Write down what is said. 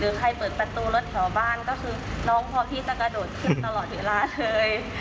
ใครเปิดประตูรถแถวบ้านก็คือน้องพอที่จะกระโดดขึ้นตลอดเวลาเลย